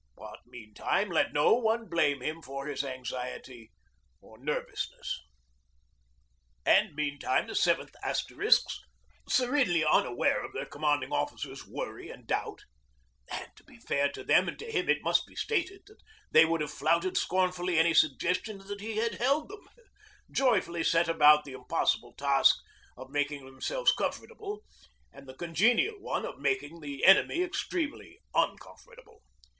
But meantime let no one blame him for his anxiety or nervousness. And meantime the 7th Asterisks, serenely unaware of their Commanding Officer's worry and doubt and to be fair to them and to him it must be stated that they would have flouted scornfully any suggestion that he had held them joyfully set about the impossible task of making themselves comfortable, and the congenial one of making the enemy extremely uncomfortable.